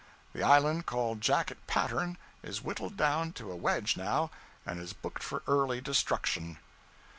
The island called Jacket Pattern is whittled down to a wedge now, and is booked for early destruction.